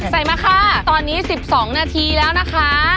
มาค่ะตอนนี้๑๒นาทีแล้วนะคะ